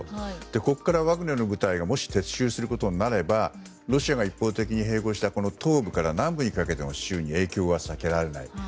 ここからワグネルの部隊がもし撤収することになればロシアが一方的に併合した東部から南部の州に影響は避けられない。